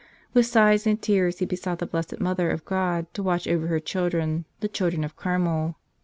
With sighs and tears he besought the Blessed Mother of God to watch over her children, the children of Carmel.